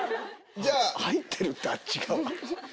入ってるってあっち側。